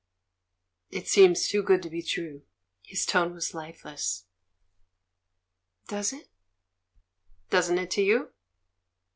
"It seems too good to be true." His tone was lifeless. "Does it?" "Doesn't it to you?"